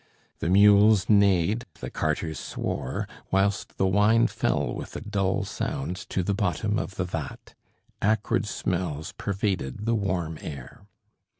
The mules neighed, the carters swore, whilst the wine fell with a dull sound to the bottom of the vat. Acrid smells pervaded the warm air.